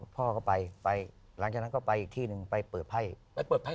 พ่อก็ไปลังจากนั้นก็อีกที่ไปประเภท